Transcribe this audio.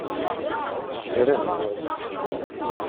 Fesren-t.